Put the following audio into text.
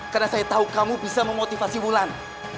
karena saya tahu kamu bisa memotivasi wulan